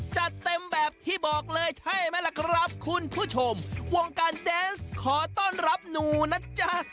จัดเต็มแบบที่บอกเลยใช่ไหมล่ะครับคุณผู้ชมวงการแดนส์ขอต้อนรับหนูนะจ๊ะ